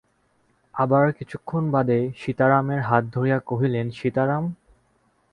আবার কিছুক্ষণ বাদে সীতারামের হাত ধরিয়া কহিলেন, সীতারাম!